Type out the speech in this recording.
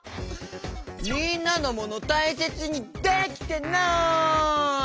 みんなのモノたいせつにできてない！